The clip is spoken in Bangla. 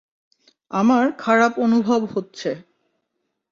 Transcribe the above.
আমার খারাপ অনুভব হচ্ছে।